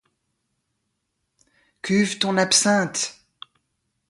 Cuve ton absinthe.